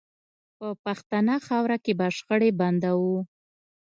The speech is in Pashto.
په پښتنه خاوره کې به شخړې بندوو